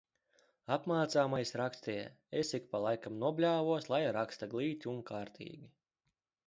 Apmācāmais rakstīja, es ik pa laikam nobļāvos, lai raksta glīti un kārtīgi.